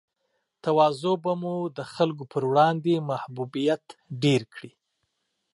تواضع به مو د خلګو پر وړاندې محبوبیت ډېر کړي